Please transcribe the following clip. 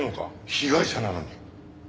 被害者なのに。